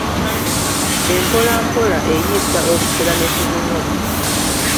Empolampola eyiisa obusera ne tubunywa.